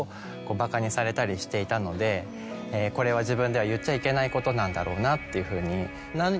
これは自分では言っちゃいけないことなんだろうなっていうふうに。